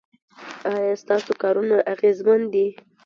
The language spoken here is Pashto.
ایا ستاسو کارونه اغیزمن دي؟